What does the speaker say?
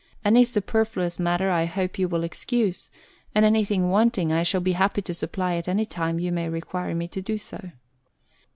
Any superfluous matter I hope you will excuse, and anything wanting I shall be happy to supply at any time you may require me to do so.